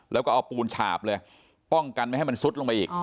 แล้วก็เอาปูนฉาบเลยป้องกันไม่ให้มันซุดลงไปอีก